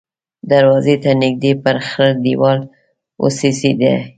دروازې ته نږدې پر خړ دېوال وڅڅېدې.